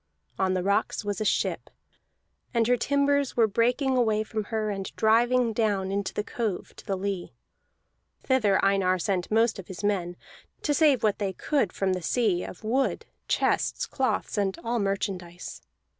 On the rocks was a ship, and her timbers were breaking away from her and driving down into the cove to the lee. Thither Einar sent most of his men, to save what they could from the sea, of wood, chests, cloths, and all merchandise.